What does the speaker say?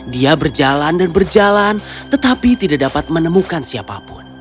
dia berjalan dan berjalan tetapi tidak dapat menemukan siapapun